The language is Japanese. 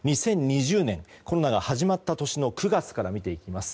２０２０年コロナが始まった年の９月から見ていきます。